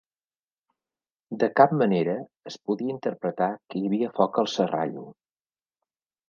De cap manera es podia interpretar que hi havia foc al Serrallo.